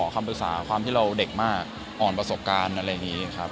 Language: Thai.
คำปรึกษาความที่เราเด็กมากอ่อนประสบการณ์อะไรอย่างนี้ครับ